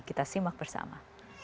kita simak bersama